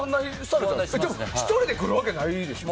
でも１人で来るわけないでしょ？